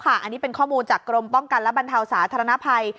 อันนี้เป็นข้อมูลจากกรมป้องกันและบรรเทาสาธารณภัย